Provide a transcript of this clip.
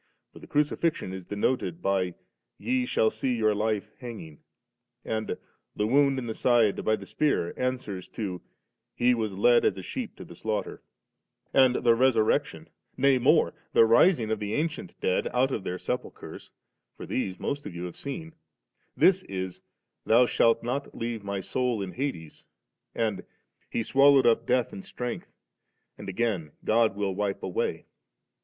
For the crucifixion is denoted by 'Ye shall see your Life hanging,' and the wound in the side by the spear answers to ' He was led as a sheep to the slaughter «,' and the resurrection, nay more^ the rising of the an cient dead from out their sepulchres (for these most of you have seen), tins is, 'Thou shah not leave My soul in hades,' and ' He swal lowed up death in strength ^' and again, 'God will wipe away.'